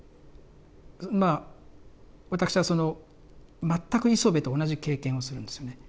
まあわたくしはその全く磯辺と同じ経験をするんですよね。